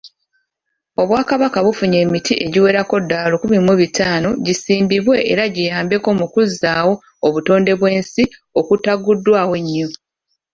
Obwakabaka bufunye emiti egiwerera ddala lukumi mu bitaano gisimbibwe era giyambeko mukuzzaawo obutondebwensi okutaguddwa ennyo.